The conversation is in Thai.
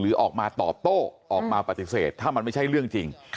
ออกมาตอบโต้ออกมาปฏิเสธถ้ามันไม่ใช่เรื่องจริง